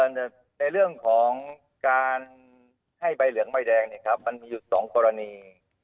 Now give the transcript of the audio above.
แต่ในเรื่องของการให้ใบเหลืองใบแดงเนี่ยครับมันมีอยู่สองกรณี